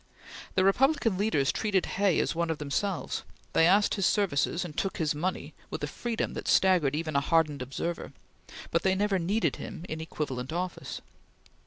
The Republican leaders treated Hay as one of themselves; they asked his services and took his money with a freedom that staggered even a hardened observer; but they never needed him in equivalent office.